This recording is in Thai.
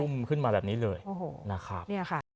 รุ่มขึ้นมาแบบนี้เลยนะครับ